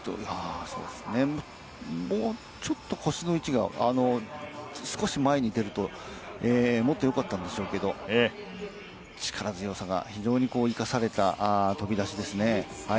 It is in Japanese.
腰の位置がもう少し前に出るともっとよかったんでしょうけど、力強さが非常に生かされた飛び出しですね。